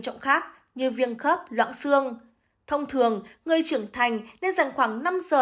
trọng khác như viêm khớp loãng xương thông thường người trưởng thành nên dành khoảng năm giờ